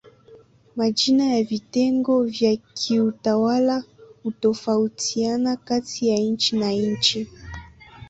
Majina ya vitengo vya kiutawala hutofautiana kati ya nchi na nchi.